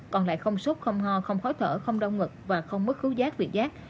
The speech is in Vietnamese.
còn lại không sốt không ho không khói thở không đau ngực và không mất khứ giác vị giác